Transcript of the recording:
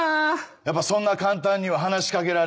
やっぱそんな簡単には話し掛けられない？